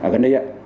gần đây ạ